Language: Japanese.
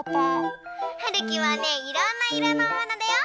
はるきはねいろんないろのおはなだよ。